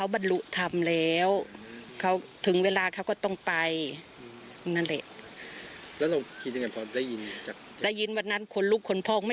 ฉันจะละสังขาร๓๐ตุลาคม